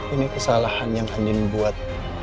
ini kesalahan yang anin buat